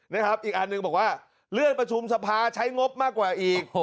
อีกอันหนึ่งบอกว่าเลื่อนประชุมสภาใช้งบมากกว่าอีก